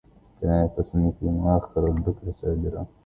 تنافسني في مؤخر البكر سادرا